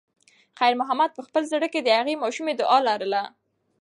خیر محمد په خپل زړه کې د هغې ماشومې دعا لرله.